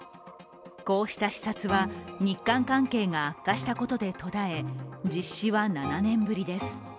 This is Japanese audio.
こうした視察は、日韓関係が悪化したことで途絶え実施は７年ぶりです。